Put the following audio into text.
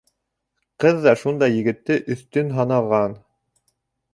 Ҡыҙ ҙа шундай егетте өҫтөн һанаған.